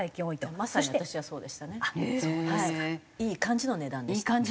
いい感じの値段でした。